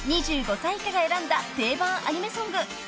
［２５歳以下が選んだ定番アニメソング。